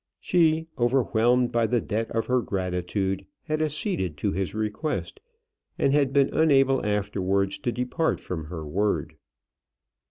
She, overwhelmed by the debt of her gratitude, had acceded to his request, and had been unable afterwards to depart from her word.